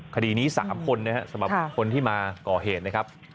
คดีนี้๓คนนะครับสำหรับคนที่มาก่อเหตุนะครับ